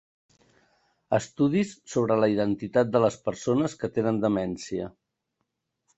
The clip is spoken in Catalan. Estudis sobre la identitat de les persones que tenen demència.